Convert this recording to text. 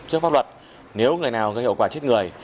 trước pháp luật nếu người nào gây hiệu quả chết người